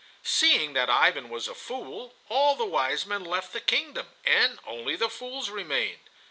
Seeing that Ivan was a fool, all the wise men left the kingdom and only the fools remained.